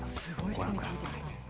ご覧ください。